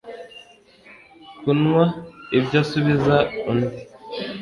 kanwa ibyo asubiza undi